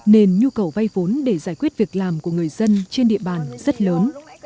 nên nhu cầu vay vốn để giải quyết việc làm của người dân trên địa bàn rất lớn